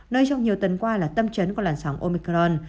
nơi trong nhiều tuần qua là tâm trấn của làn sóng omicron